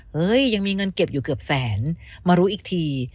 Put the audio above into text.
ยังมีเงินเก็บอยู่เกือบแสนมารู้อีกที